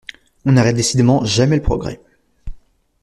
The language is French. On n'arrête décidément jamais le progrès!